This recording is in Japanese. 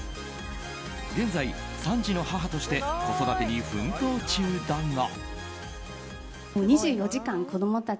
現在、三児の母として子育てに奮闘中だが。